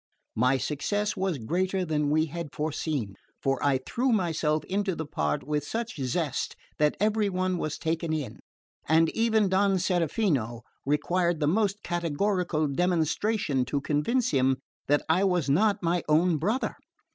My success was greater than we had foreseen; for I threw myself into the part with such zest that every one was taken in, and even Don Serafino required the most categorical demonstration to convince him that I was not my own brother.